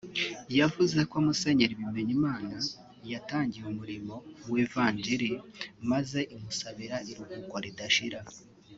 yavuze ko Musenyeri Bimenyimana yitangiye umurimo w’ivanjiri maze imusabira iruhuko ridashira